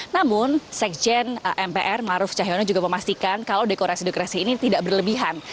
namun sekjen mpr maruf cahyono juga memastikan kalau dekorasi dekorasi ini tidak berlebihan